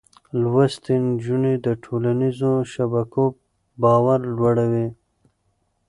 لوستې نجونې د ټولنيزو شبکو باور لوړوي.